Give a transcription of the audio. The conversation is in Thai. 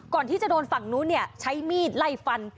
ก่อนที่จะโดนฝั่งนู้นใช้มีดไล่ฟัน